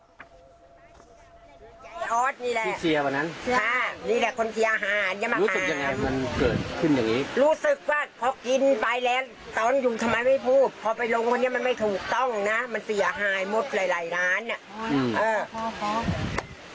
นี่แหละค่ะนี่แหละคนที่อาหารรู้สึกยังไงมันเกิดขึ้นอย่างงี้